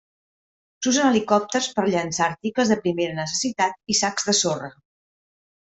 S'usen helicòpters per llançar articles de primera necessitat i sacs de sorra.